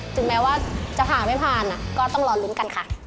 ถึงแม้ว่าจะผ่านไม่ผ่านก็ต้องรอลุ้นกันค่ะ